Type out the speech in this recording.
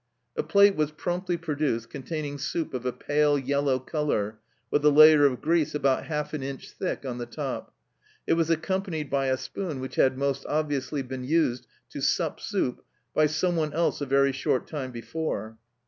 A plate was promptly produced containing soup of a pale yellow colour, with a layer of grease about half an inch thick on the top. It was accompanied by a spoon which had most obviously been used to " sup soup " by someone else a very short time before.